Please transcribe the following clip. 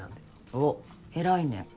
おっ偉いね。